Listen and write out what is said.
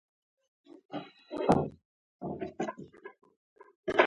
خدایه څرنګه بدل شوو، د افغان درانه خوبونه